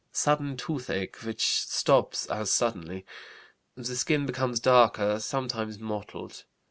Sudden toothache which stops as suddenly. The skin becomes darker, sometimes mottled.